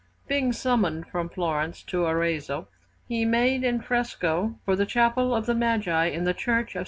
Being summoned from Florence to Arezzo, he made in fresco, for the Chapel of the Magi in the Church of S.